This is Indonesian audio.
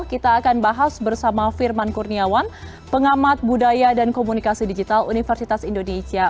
kita akan bahas bersama firman kurniawan pengamat budaya dan komunikasi digital universitas indonesia